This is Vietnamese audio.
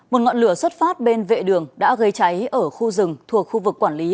một ngọn lửa xuất phát bên vệ đường đã gây cháy ở khu rừng thuộc khu vực quản lý